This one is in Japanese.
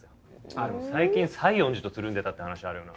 あっでも最近西園寺とつるんでたって話あるよな。